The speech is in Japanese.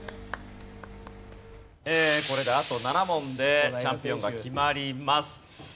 これであと７問でチャンピオンが決まります。